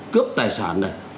cướp tài sản này